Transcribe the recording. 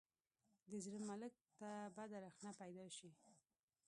د زړه ملک ته بده رخنه پیدا شي.